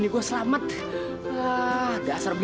inget sama allah ji